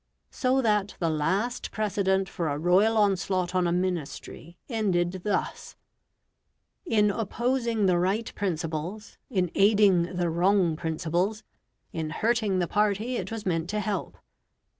So that the last precedent for a royal onslaught on a Ministry ended thus: in opposing the right principles, in aiding the wrong principles, in hurting the party it was meant to help.